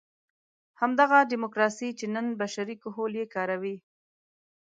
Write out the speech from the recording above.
همدغه ډیموکراسي چې نن بشري کهول یې کاروي.